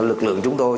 lực lượng chúng tôi